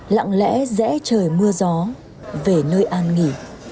lặng lẽ rẽ trời mưa gió về nơi an nghỉ